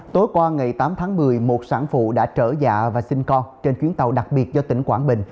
tối qua ngày tám tháng một mươi một sản phụ đã trở dạ và sinh con trên chuyến tàu đặc biệt do tỉnh quảng bình